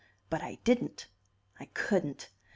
But I didn't! I couldn't!